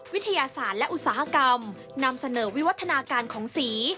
วิทยาศาสตร์และอุตสาหกรรมนำเสนอวิวัฒนาการของสี